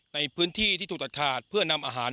ในพื้นที่ที่ถูกตัดขาดเพื่อนำอาหาร